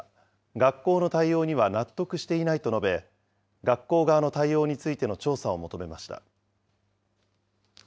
学校の対応には納得していないと述べ、学校側の対応についての調査を求めました。